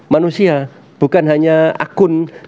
manusia bukan hanya akun